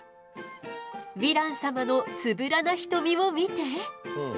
ヴィラン様のつぶらな瞳を見て。